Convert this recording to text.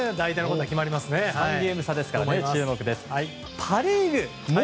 ３ゲーム差ですから注目です。